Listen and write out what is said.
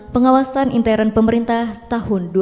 pengawasan interen pemerintah tahun dua ribu dua puluh empat